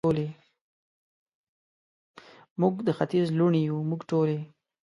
موږ د ختیځ لوڼې یو، موږ ټولې،